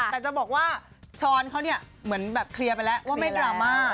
แต่จะบอกว่าช้อนเขาเนี่ยเหมือนแบบเคลียร์ไปแล้วว่าไม่ดราม่า